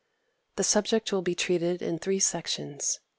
The subject will be treated in three sections.